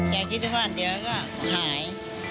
ยายคิดว่าเดี๋ยวก็หาย